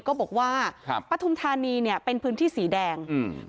ก็บอกว่าครับปฐุมธานีเนี้ยเป็นพื้นที่สีแดงอืม